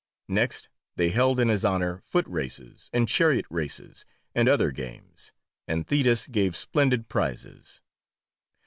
Next they held in his honour foot races and chariot races, and other games, and Thetis gave splendid prizes.